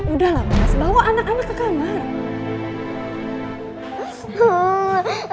udah lah mas bawa anak anak ke kamar